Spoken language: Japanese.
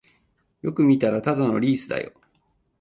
よく見たらただのリースだよ